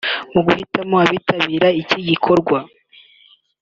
Mu guhitamo abitabira iki gikorwa